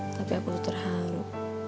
tapi aku tuh terharu